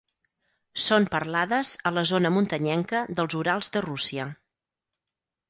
Són parlades a la zona muntanyenca dels Urals de Rússia.